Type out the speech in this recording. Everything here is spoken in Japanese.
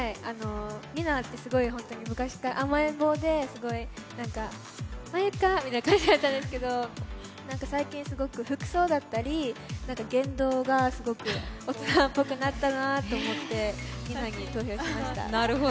ＮＩＮＡって昔から甘えん坊で、ＭＡＹＵＫＡ！って感じだったんですけど最近、すごく服装だったり、言動がすごく大人っぽくなったなと思ってＮＩＮＡに投票しました。